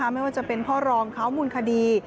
ไม่ว่าจะเป็นพ่อรองเขามูลคดี